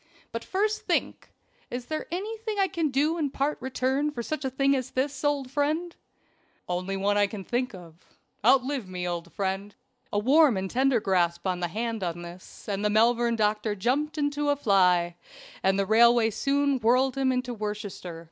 But first think is there anything I can do in part return for such a thing as this, old friend?" "Only one that I can think of. Outlive me, old friend." A warm and tender grasp of the hand on this, and the Malvern doctor jumped into a fly, and the railway soon whirled him into Worcestershire.